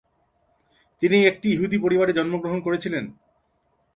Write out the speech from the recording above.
তিনি একটি ইহুদি পরিবারে জন্মগ্রহণ করেছিলেন।